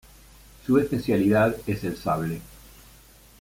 Su especialidad es el sable.